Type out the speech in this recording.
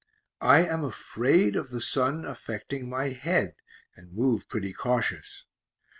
I am afraid of the sun affecting my head and move pretty cautious.